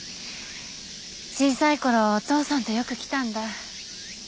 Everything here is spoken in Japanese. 小さいころお父さんとよく来たんだ。